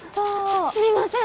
すみません！